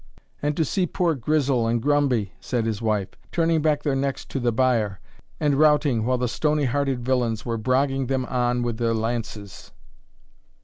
"And to see poor Grizzle and Crumbie," said his wife, "turning back their necks to the byre, and routing while the stony hearted villains were brogging them on wi' their lances!"